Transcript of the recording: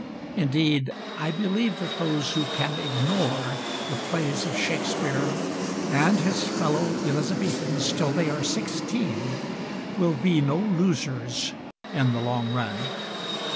Indeed, I believe that those who can ignore the plays of Shakespeare and his fellow Elizabethans till they are sixteen will be no losers in the long run.